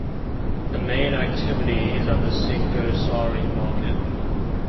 The main activity is at the singosari market.